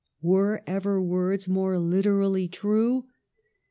^ Were ever words more literally true